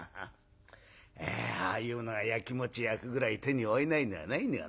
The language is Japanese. ああいうのがやきもちやくぐらい手に負えないのはないよ